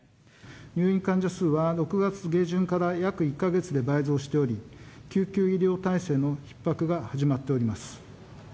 入院患者数は６月下旬から約１か月で倍増しており、救急医療体制のひっ迫が始まっております。